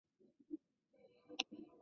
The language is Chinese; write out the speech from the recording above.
王晏球人。